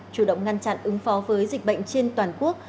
chủ động ngăn chặn ứng phó với dịch bệnh trên toàn quốc